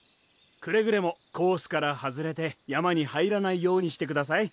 くれぐれもコースから外れて山に入らないようにしてください。